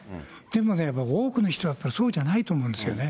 でもね、多くの人はやっぱりそうじゃないと思うんですよね。